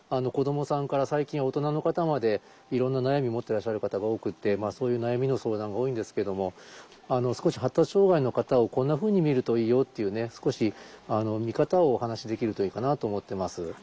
子どもさんから最近は大人の方までいろんな悩み持っていらっしゃる方が多くてそういう悩みの相談が多いんですけども少し発達障害の方をこんなふうに見るといいよっていう少し見方をお話しできるといいかなと思っています。